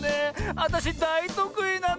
あたしだいとくいなの。